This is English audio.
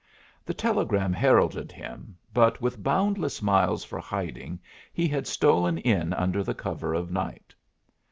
The telegram heralded him, but with boundless miles for hiding he had stolen in under the cover of night.